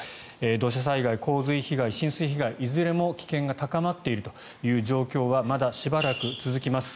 土砂災害、洪水被害、浸水被害いずれも危険が高まっているという状況はまだしばらく続きます。